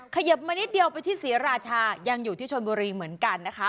เขยิบมานิดเดียวไปที่ศรีราชายังอยู่ที่ชนบุรีเหมือนกันนะคะ